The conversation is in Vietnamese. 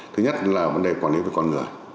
thứ nhất là vấn đề quản lý về con người